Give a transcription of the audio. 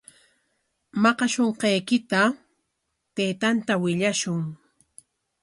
Maqashunqaykita taytanta willashun.